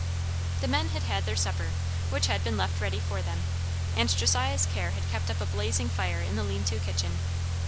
The men had had their supper, which had been left ready for them; and Josiah's care had kept up a blazing fire in the lean to kitchen.